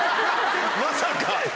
まさか。